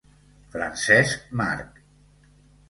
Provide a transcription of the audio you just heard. Francesc Marc